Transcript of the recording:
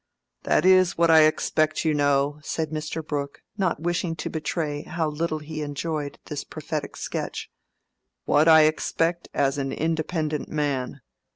"That is what I expect, you know," said Mr. Brooke, not wishing to betray how little he enjoyed this prophetic sketch—"what I expect as an independent man.